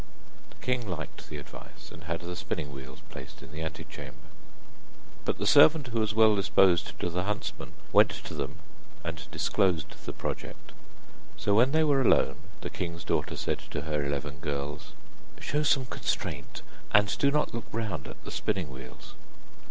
The king liked the advice, and had the spinning wheels placed in the ante chamber. But the servant, who was well disposed to the huntsmen, went to them, and disclosed the project. So when they were alone the king's daughter said to her eleven girls: 'Show some constraint, and do not look round at the spinning wheels.